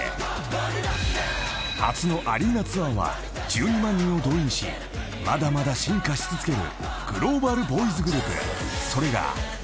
［初のアリーナツアーは１２万人を動員しまだまだ進化し続ける］